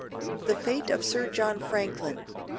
THE FATE OF SIR JOHN FRANKLIN.